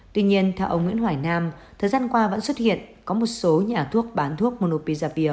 tuy nhiên theo ông nguyễn hoài nam thời gian qua vẫn xuất hiện có một số nhà thuốc bán thuốc monopisapir